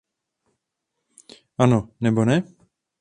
Ano, nebo ne?